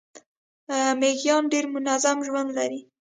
میږیان ډیر منظم ژوند لري